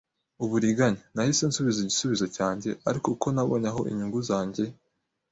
uburiganya. Nahise nsubiza igisubizo cyanjye, ariko, kuko nabonye aho inyungu zanjye